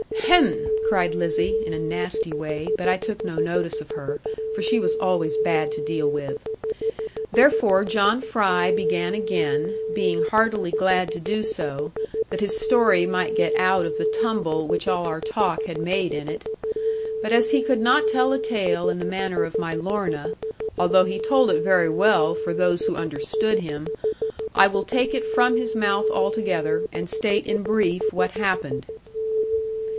'Hem!' cried Lizzie, in a nasty way; but I took no notice of her, for she was always bad to deal with. Therefore John Fry began again, being heartily glad to do so, that his story might get out of the tumble which all our talk had made in it. But as he could not tell a tale in the manner of my Lorna (although he told it very well for those who understood him) I will take it from his mouth altogether, and state in brief what happened.